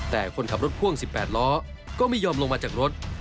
แต่คนขับรถพ่วง๑๘ล้อก็ไม่ยอมลงมาจากรถ